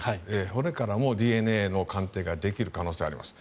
骨からもＤＮＡの鑑定ができる可能性があります。